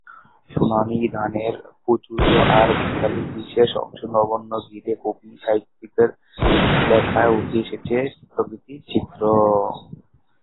সোনালি ধানের প্রাচুর্য আর বাঙালির বিশেষ অংশ নবান্ন ঘিরে অনেক কবি-সাহিত্যিকের লেখায় উঠে এসেছে প্রকৃতির চিত্র।